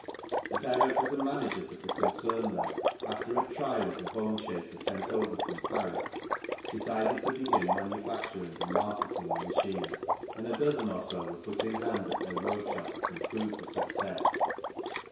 The directors and managers of the concern there, after a trial of the boneshaker sent over from Paris, decided to begin manufacturing and marketing the machine, and a dozen or so were put in hand at their workshops and proved a success.